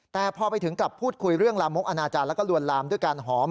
แต่พอไปถึงกลับพูดคุยเรื่องลามกอนาจารย์แล้วก็ลวนลามด้วยการหอม